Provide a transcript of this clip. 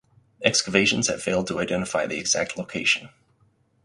Excavations have failed to identify the exact location.